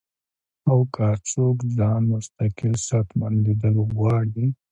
او کۀ څوک ځان مستقل صحتمند ليدل غواړي